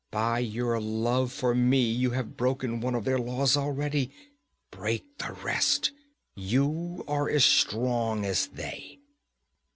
By your love for me you have broken one of their laws already! Break the rest! You are as strong as they!'